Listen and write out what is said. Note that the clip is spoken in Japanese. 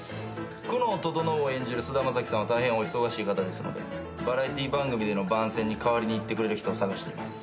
久能整を演じる菅田将暉さんは大変お忙しい方ですのでバラエティー番組での番宣に代わりに行ってくれる人を探しています。